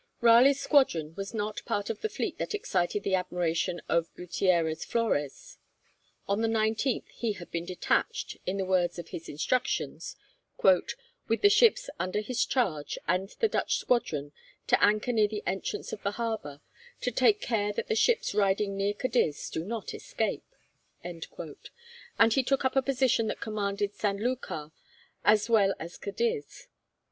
Raleigh's squadron was not part of the fleet that excited the admiration of Gutierrez Flores. On the 19th he had been detached, in the words of his instructions, 'with the ships under his charge, and the Dutch squadron, to anchor near the entrance of the harbour, to take care that the ships riding near Cadiz do not escape,' and he took up a position that commanded St. Lucar as well as Cadiz.